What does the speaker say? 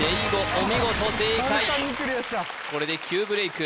お見事正解これで９ブレイク